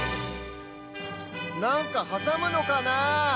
なんかはさむのかなあ？